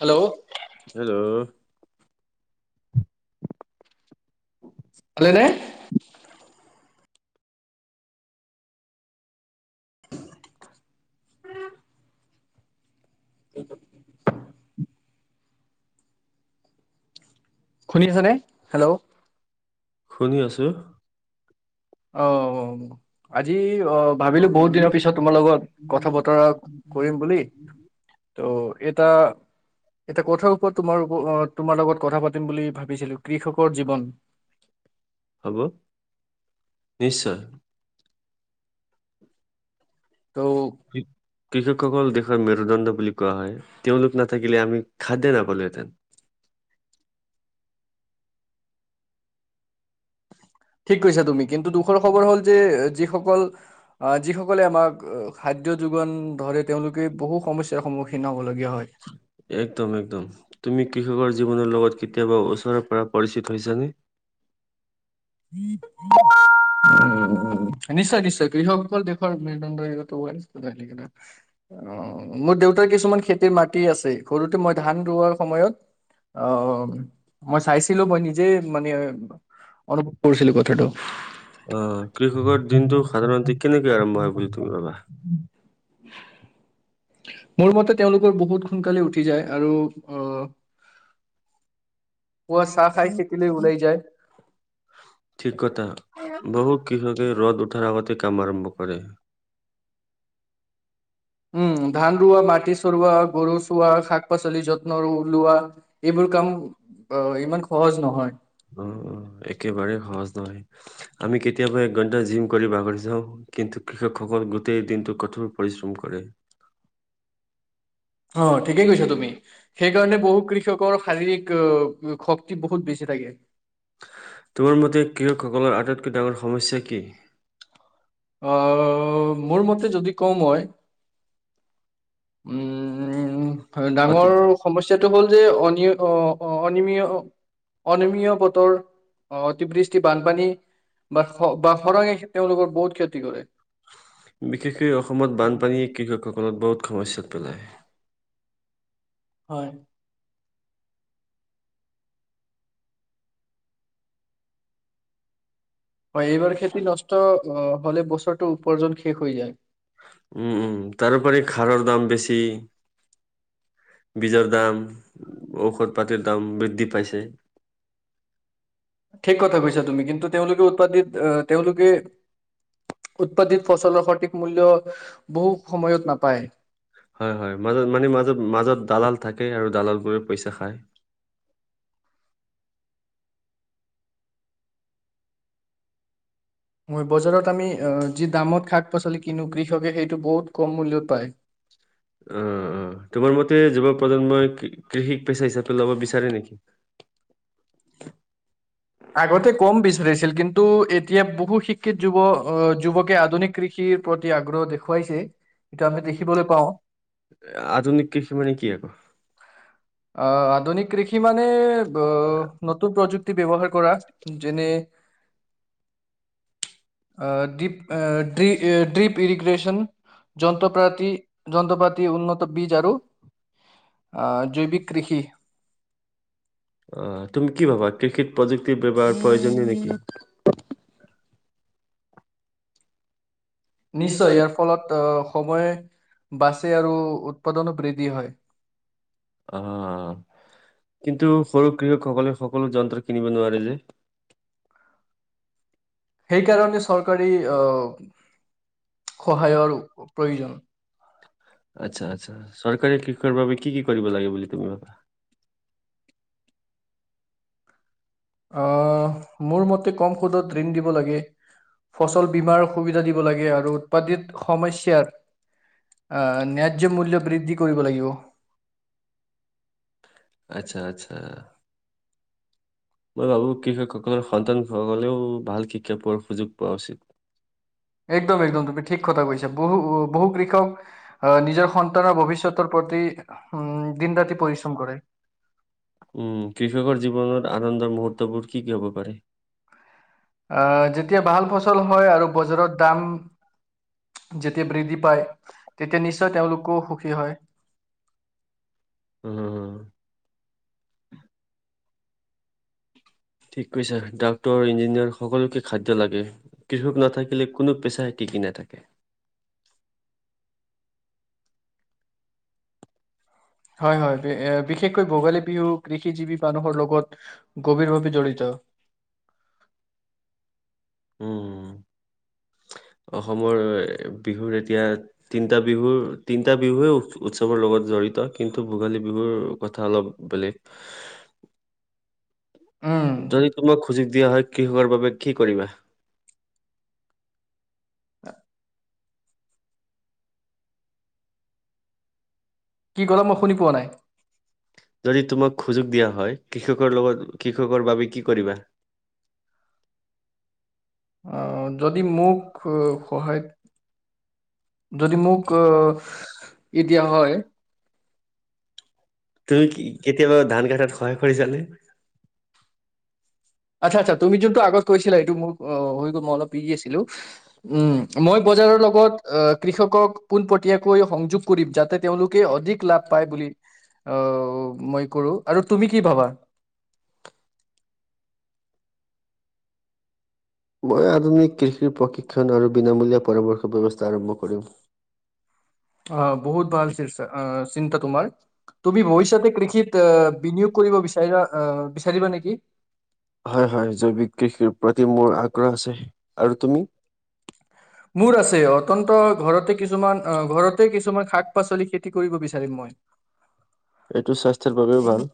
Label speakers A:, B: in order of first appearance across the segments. A: Hello
B: hello
A: ভালেই নে [inaudible] [inaudible] শুনি আছেনে হেল্ল'
B: শুনি আছোঁ।
A: অ আজি অ ভাবিলো বহুত দিনৰ পিছত তোমাৰ লগত কথা বতৰা কৰিম বুলি ত এটা এটা কথাৰ ওপৰত তোমাৰ, তোমাৰ লগত কথা পাতিম বুলি ভাবিছিলো কৃষকৰ জীৱন
B: হ'ব নিশ্চয়।
A: ত
B: কৃষকসকল দেশৰ মেৰুদণ্ড বুলি কোৱা হয়। তেওঁলোক নাথাকিলে আমি খাদ্য নাপালো হেঁতেন।
A: ঠিক কৈছা তুমি দুখৰ খবৰ হ'ল যে যিসকল অ যিসকলে আমাক খাদ্য যোগান ধৰে তেওঁলোকে বহু সমস্যা সন্মুখীন হ'বলগীয়া হয়।
B: একদম একদম তুমি কৃষকৰ জীৱনৰ লগত কেতিয়াবা ওচৰেৰ পৰা পৰিচিত হৈছা নে?
A: [inaudible] উম নিশ্চয় নিশ্চয় কৃষকসকল [unintelligible] অ মোৰ দেউতাৰ কিছুমান খেতিৰ মাটি আছে ঘৰতে মই ধান ৰুৱাৰ সময়ত। অহ মই চাইছিলো মই নিজেই মানে অনুভৱ কৰিছিলো কথাটো
B: অ কৃষকৰ দিনটো সাধাৰণতে কেনেকৈ আৰম্ভ হয় তুমি ভাবা?
A: মোৰ মতে তেওঁলোকৰ বহুত সোনকালে উঠি যায় আৰু অ পুৱা চাহ খাই খেতিলৈ ওলাই যায়।
B: ঠিক কথা বহুত কৃষকে ৰ'দ উঠাৰ আগতে কাম আৰম্ভ কৰে।
A: উম ধান ৰুৱা মাটি চৰুৱা গৰু চোৱা শাক পাচলি যত্ন লোৱা। এইবোৰ কাম আহ ইমান সহজ নহয়।
B: অঁ একেবাৰে সহজ নহয় আমি কেতিয়াবা এক ঘণ্টা জিম কৰি ভাগৰি যাওঁ কিন্তু কৃষকসকল গোটেই দিনটো কঠোৰ পৰিশ্ৰম কৰে।
A: অ ঠিকেই কৈছা তুমি সেইকাৰণে বহু কৃ ষকৰ শাৰীৰিক শক্তি বহুত বেছি থাকে।
B: তোমোৰ মতে কৃষকসকলৰ আটাইতকৈ ডাঙৰ সমস্যা কি?
A: অ মোৰ মতে যদি কওঁ মই উম
B: অতি
A: ডাঙৰ সমস্যাটো হ'ল যে অনি অ অনি অনিমিয়া বতৰ আহ অতিবৃষ্টি বানপানী বা বা খৰাঙে তেওঁলোকৰ বহুত ক্ষতি কৰে।
B: বিশেষকৈ অসমত বানপানীয়ে কৃষকসকলত বহুত সমস্যাত পেলায়।
A: হয়। হয় এইবাৰ খেতি নষ্ট অ হলে বছৰটো উপাৰ্জন শেষ হৈ যায়।
B: উম উম তাৰোপৰি সাৰৰ দাম বেছি বীজৰ দাম ঔষধ পাতিৰ দাম বৃদ্ধি পাইছে।
A: ঠিক কথা কৈছা তুমি কিন্তু তেওঁলোকে উৎপাদিত আহ তেওঁলোকে উৎপাদিত ফচলৰ সঠিক মূল্য বহু সময়ত নাপায়
B: হয় হয় মাজত মানে মাজত মাজত দালাল থাকে আৰু দালালবোৰে পইচা খায়।
A: ম বজাৰত আমি যি দামত শাক পাচলি কিনো কৃষকে সেইটো বহুত কম মূল্যত পায়
B: অ অ তোমাৰ মতে যুৱ প্ৰজন্মই কৃষিক পেচা হিচাপে লব বিচাৰে নেকি?
A: আগতে কম বিচাৰিল কিন্তু এতিয়া বহু শিক্ষিত যুৱক আহ যুৱকে আধুনিক কৃষিৰ প্ৰতি আগ্ৰহ দেখুৱাইছে। এইটো আমি দেখিবলৈ পাওঁ
B: [unintelligible] আধুনিক কৃষিমানে কি আকৌ
A: আহ, আধুনিক কৃষি মানে আহ, নতুন প্ৰযুক্তি ব্যৱহাৰ কৰা যেনে আহ, ডিপ, ড্ৰিপ ইৰিগ্ৰেচন যন্ত্ৰপাতি, যন্ত্ৰপাতি উন্নত বীজ আৰু জৈৱিক কৃষি।
B: অ' তুমি কি ভাবা কৃষিত প্ৰযুক্তি ব্যৱহাৰ প্ৰয়োজনীয় নেকি?
A: নিশ্চয় ইয়াৰ ফলত আহ, সময় বাচে আৰু উৎপাদনো বৃদ্ধি হয়।
B: অ', অ'। কিন্তু সৰু কৃষকসকলে সকলো যন্ত্ৰ কিনিব নোৱাৰে যে।
A: [unintelligible] সেইকাৰণে চৰকাৰী আহ, সহায়ৰ প্ৰয়োজন।
B: আচ্ছা আচ্ছা। চৰকাৰে কৃষকৰ বাবে কি কি কৰিব লাগে বুলি তুমি ভাবা?
A: আহ মোৰ মতে কম সুদত ঋণ দিব লাগে ফচল বিমাৰ সুবিধা দিব লাগে আৰু উৎপাদিত সমস্যাৰ ন্যায্য মূল্য বৃদ্ধি কৰিব লাগিব।
B: আচ্ছা, আচ্ছা। মই ভাবো কৃষকসকলৰ সন্তানসকলেও ভাল শিক্ষা পোৱাৰ সুযোগ পোৱা উচিত।
A: একদম একদম তুমি ঠিক কথা কৈছা। বহু বহু কৃষক আহ নিজৰ স তানৰ ভৱিষ্যতৰ প্ৰতি উম, দিন ৰাতি পৰিশ্ৰম কৰে।
B: উম কৃষকৰ জীৱনত আনন্দৰ মুহুৰ্তবোৰ কি কি হ'ব পাৰে?
A: আহ, যেতিয়া ভাল ফচল হয় আৰু বজাৰত দাম যেতিয়া বৃদ্ধি পায়, তেতিয়া নিশ্চয় তেওঁলোকেও সুখী হয়।
B: উম [unintelligible] ঠিক কৈছা ডাক্টৰ, ইঞ্জিনিয়াৰ সকলোকে খাদ্য লাগে। কৃষক নাথাকিলে কোনো পেছাই টিকি নাথাকে।
A: হয় হয় বিশেষকৈ ভোগালী বিহু কৃষিজীৱী মানুহৰ লগত গভীৰভাৱে জড়িত।
B: উম। অসমৰ বিহুৰ এতিয়া তিনিটা বিহুৰ তিনিটা বিহুৱেই উৎসৱৰ লগত জড়িত, কিন্তু ভোগালী বিহুৰ কথা অলপ বেলেগ। [unintelligible]
A: উম
B: যদি তোমাক সুজুগ দিয়া হয় কৃষকৰ বাবে কি কৰিবা?
A: [unintelligible] কি ক'লা মই শুনি পোৱা নাই?
B: যদি তোমাক সুযোগ দিয়া হয় কৃষকৰ লগত কৃষকৰ বাবে কি কৰিবা?
A: আহ, যদি মোক সহায় যদি মোক ই দিয়া হয়
B: তুমি কেতিয়াবা ধান কাটাত সহায় কৰিছানে?
A: আচ্ছা আচ্ছা তুমি যোনটো আগত কৈছিলা এইটো মোৰ অ' হৈ গ'ল মই অলপ [unintelligible] আছিলো উম মই বজাৰৰ লগত কৃষকক পোনপটীয়াকৈ সংযোগ কৰিম যাতে, তেওঁলোকে অধিক লাভ পায় বুলি আহ, মই কৰোঁ আৰু তুমি কি ভাবা?
B: মই আধুনিক কৃষিৰ প্ৰশিক্ষণ আৰু বিনামূলীয়া পৰামৰ্শ ব্যৱস্থা আৰম্ভ কৰিম।
A: অ' বহুত ভাল [unintelligible] চিন্তা তোমাৰ তুমি ভৱিষ্যতে কৃষিত বিনিয়োগ কৰিব বিচাৰিবা, আহ, বিচাৰিবা নেকি।
B: হয়, হয়। জৈৱিক কৃষিৰ প্ৰতি মোৰ আগ্ৰহ আছে। আৰু তুমি?
A: মোৰ আছে ইহঁত অতন্ত ঘৰতে কিছুমান অ', ঘৰতেই কিছুমান শাক পাচলি খেতি বিচাৰিম মই।
B: সেইটো স্বাস্থ্যৰ বাবেও ভাল।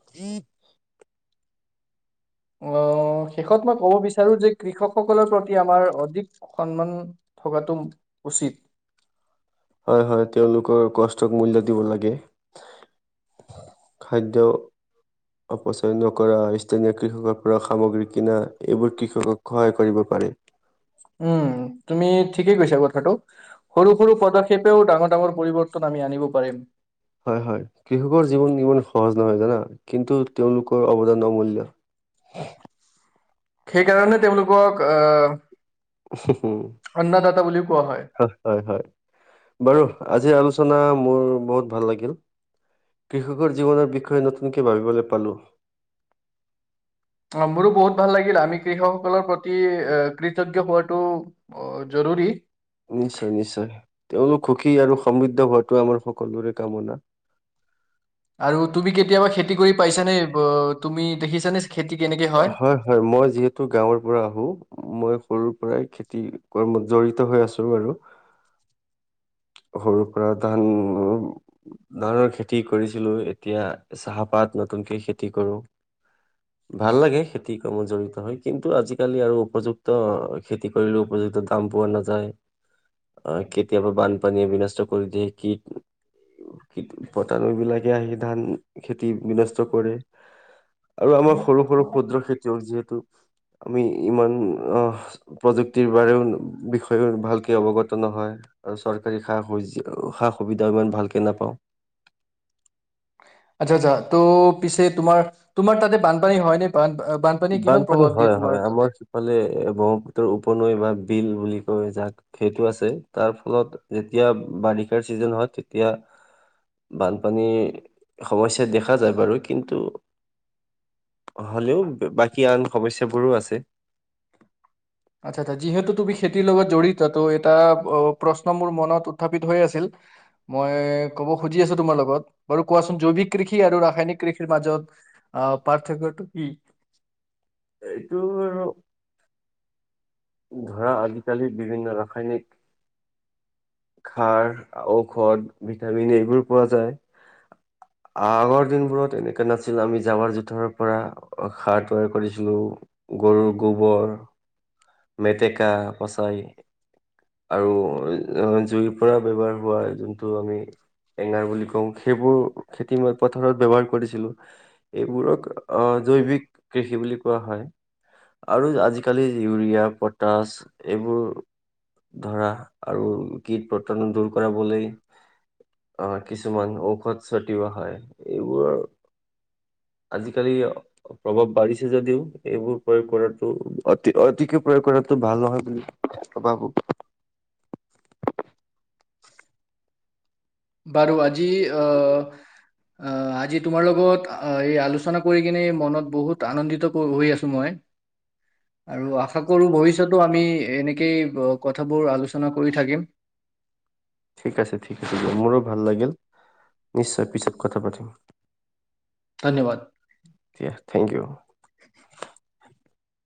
A: অ', শেষত মই ক'ব বিচ বিচাৰোঁ যে কৃষকসকলৰ প্ৰতি আমাৰ অধিক সন্মান থকাটো উচিত।
B: হয়, হয় তেওঁলোকৰ কষ্টক মূল্য দিব লাগে। খাদ্য অপচয় নকৰা, স্থানীয় কৃষকৰ পৰা সামগ্ৰী কিনা। এইবোৰ কৃষকক সহায় কৰিব পাৰি।
A: উম, তুমি ঠিকেই কৈছা কথাটো। সৰু, সৰু পদক্ষেপেও ডাঙৰ ডাঙৰ পৰিৱৰ্তন আমি আনিব পাৰিম।
B: হয়, হয়। কৃষকৰ জীৱন ইমান সহজ নহয় জানা। কিন্তু তেওঁলোকৰ অৱদান অমূল্য।
A: সেইকাৰণে তেওঁলোকক অ বুলিও কোৱা
B: হয়, হয়, হয়। বাৰু, আজিৰ আলোচনা মোৰ বহুত ভাল লাগিল। কৃষকৰ জীৱনৰ বিষয়ে নতুনকৈ ভাবিবলে পালোঁ।
A: অ', মোৰো বহুত ভাল লাগিল আমি কৃষকসকলৰ প্ৰতি এ, কৃতজ্ঞ হোৱাটো জৰুৰী।
B: নিশ্চয়, নিশ্চয়। তেওঁলোক সুখী আৰু সমৃদ্ধ হোৱাটোৱেই আমাৰ সকলোৰে কামনা।
A: আৰু তুমি কেতিয়াবা খেতি কৰি পাইছানে? ব, তুমি দেখিছানে খেতি কেনেকে হয়?
B: হয়, মই যিহেতু গাঁৱৰ পৰা আহোঁ। মই সৰুৰ পৰাই খেতি কৰ্মত জড়িত হৈ আছোঁ আৰু। সৰু পৰা ধান ধৰণৰ খেতি কৰিছিলোঁ, এতিয়া চাহপাত নতুনকে খেতি কৰোঁ। ভাল লাগে, খেতি কৰ্মত জড়িত হৈ। কিন্তু আজিকালি আৰু উপযুক্ত খেতি কৰিলেও উপযুক্ত দাম পোৱা নাযায়। অ', কেতিয়াবা বান পানীয়ে বিনষ্ট কৰি দিয়ে, কিট পতানো বিলাকে আহি ধান খেতি বিনষ্ট কৰে। আৰু আমাৰ সৰু, সৰু ক্ষুদ্ৰ খেতি জীৱন যিহেতু, আমি ইমান [unintelligible] বিষ বিষয়েও ভালকে অৱগত নহয়, আৰু চৰ চৰকাৰী সা [unintelligible] সা সুবিধাও ইমান ভালকে নাপাওঁ।
A: আচ্ছা, আচ্ছা ত' পিছে তোমাৰ, তোমাৰ তাতে বানপানী হয় নে? বান-বানপানীয়ে কিমান প্ৰভাৱ দিয়ে তোমাৰ তাতে?
B: ফালে এ, ব্ৰহ্মপুত্ৰৰ উপনৈ বা বিল বুলি কয় যাক, সেইটো আছে। তাৰ ফলত যেতিয়া বাৰিষাৰ ছিজন হয়, তেতিয়া বানপানীৰ সমস্যাই দেখা যায় বাৰু, কিন্তু হলেও বাকী আন সমস্যাবোৰো আছে।
A: আচ্ছা, আচ্ছা, যিহেতু তুমি খেতিৰ লগত জড়িতো ত' এটা অ', প্ৰশ্ন মোৰ মনত উথ্থা পিত হৈ আছিল, মই ক'ব খুজি আছোঁ তোমাৰ লগত। বাৰু কোৱাচোন জৈৱিক কৃষি ৰাসায়নিক কৃষিৰ মাজত আ, পাৰ্থক্যটো কি?
B: এইটো আৰু ধৰা আজিকালি বিভিন্ন ৰাসায়নিক সা, ঔষধ, ভিটামিন এইবোৰ পোৱা যায়। আগৰ দিনবোৰত এনেকে নাছি আমি জাৱৰ-জোথৰ পৰা সাৰ তৈয়াৰ কৰিছিলো, গৰুৰ গোবৰ মেতেকা পচাই আৰু জুইৰ পৰা ব্যৱহাৰ হোৱা যোনটো আমি এঙাৰ বুলি কওঁ, সেইবোৰ খেতি পথাৰত ব্যৱহাৰ কৰিছিলো। এইবোৰক জৈৱিক কৃষি বুলি কোৱা হয়। আৰু আজিকালি ইউৰিয়া পটাচ এইবোৰ ধৰা, আৰু কীট-পতংগ দূৰ কৰাবলৈ অ', কিছুমান ঔষধ চটিওৱা হয়। এইবোৰৰ আজিকালি প্ৰভাৱ বাঢ়িছে যদিও এইবোৰ প্ৰয়োগ কৰাটো অতি অ প্ৰয়োগ কৰাতো ভাল নহয় বুলি, মই ভবো।
A: বাৰু, আজি অ', আজি তোমাৰ লগত অ', এই আলোচনা কৰি কিনে, মনত বহুত আনন্দিত হৈ আছো মই। আৰু আশা কৰো ভৱিষ্যতো আমি এনেকেই কথাবোৰ আলোচনা কৰি থাকিম।
B: ঠিক আছে, ঠিক আছে। মোৰো ভাল লাগিল। নিশ্চয় পিছত কথা পাতিম।
A: ধন্যবাদ
B: [unintelligible] থেংক ইউ।